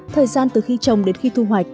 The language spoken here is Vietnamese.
thời gian từ khi trồng đến khi thu hoạch